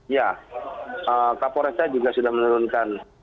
ya kapolresnya juga sudah menurunkan